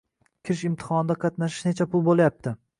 Kirish imtihonida qatnashish necha pul boʻlyapti?